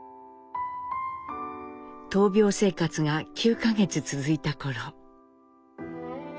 闘病生活が９か月続いた頃。